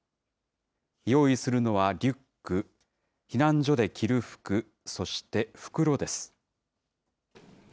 用意するのはリュック、避難所で着る服、そして袋です。